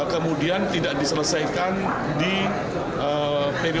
kemudian tidak diselesaikan di periode